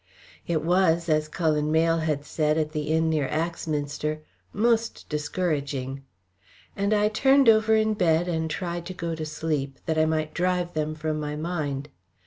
It was, as Cullen Mayle had said, at the inn near Axminster, most discouraging. And I turned over in bed and tried to go to sleep, that I might drive them from my mind.